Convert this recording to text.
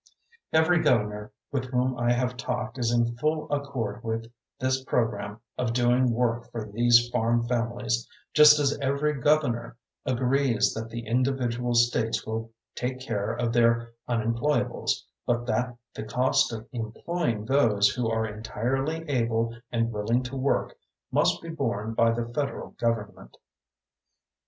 Every governor with whom I have talked is in full accord with this program of doing work for these farm families, just as every governor agrees that the individual states will take care of their unemployables but that the cost of employing those who are entirely able and willing to work must be borne by the federal government.